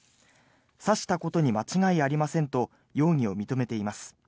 刺したことに間違いありませんと容疑を認めています。